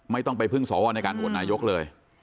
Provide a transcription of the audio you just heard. ไม่ต้องไปพึ่งสวในการโหวตนายกเลย